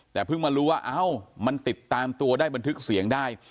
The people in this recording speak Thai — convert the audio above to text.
แต่เพิ่งมารู้ว่าเอ้ามันติดตามตัวได้บันทึกเสียงได้